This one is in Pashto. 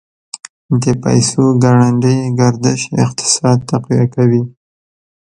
د پیسو ګړندی گردش اقتصاد تقویه کوي.